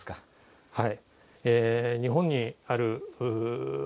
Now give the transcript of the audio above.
はい。